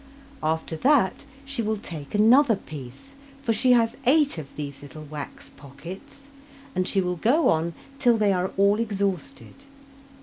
After that she will take another piece; for she has eight of these little wax pockets, and she will go on till they are all exhausted.